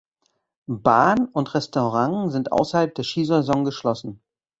Bahn und Restaurant sind ausserhalb der Skisaison geschlossen.